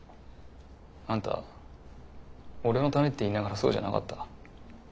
あんた俺のためって言いながらそうじゃなかった。